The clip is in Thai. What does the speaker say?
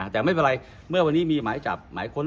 แต่ไม่เป็นไรเมื่อวันนี้มีหมายจับหมายค้น